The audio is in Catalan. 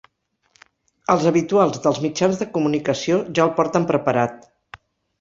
Els habituals dels mitjans de comunicació ja el porten preparat.